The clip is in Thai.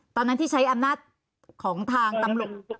ตอนนั้นที่ใช้อำนาจของทางตำรวจ